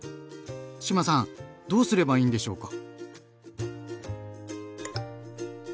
志麻さんどうすればいいんでしょうか？